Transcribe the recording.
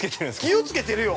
◆気をつけてるよ。